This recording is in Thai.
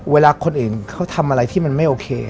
เวลาคนอื่นเขาทำอะไรที่มันไม่โอเค